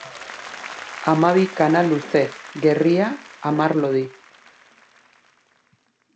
Hamabi kana luze, gerria hamar lodi.